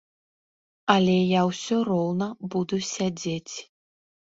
Але я ўсё роўна буду сядзець.